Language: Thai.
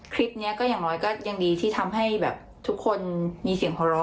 คลิปนี้ก็อย่างน้อยก็ยังดีที่ทำให้แบบทุกคนมีเสียงหัวเราะ